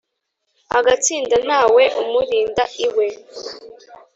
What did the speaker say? agatsinda ntawe umurinda iwe